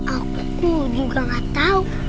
aku juga nggak tahu